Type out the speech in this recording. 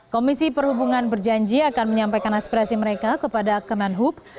komisi perhubungan berjanji akan menyampaikan aspirasi mereka kepada kemenhub